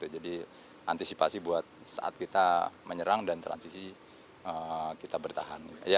jadi antisipasi buat saat kita menyerang dan transisi kita bertahan